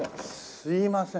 すいません。